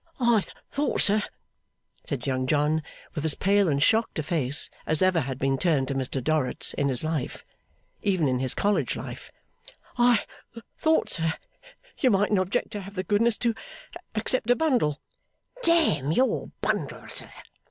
'I thought, sir,' said Young John, with as pale and shocked a face as ever had been turned to Mr Dorrit's in his life even in his College life: 'I thought, sir, you mightn't object to have the goodness to accept a bundle ' 'Damn your bundle, sir!